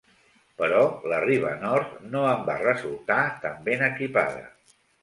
Però la riba nord no en va resultar tan ben equipada.